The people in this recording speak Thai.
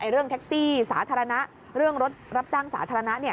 เรื่องแท็กซี่สาธารณะเรื่องรถรับจ้างสาธารณะ